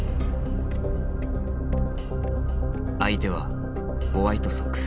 相手はホワイトソックス。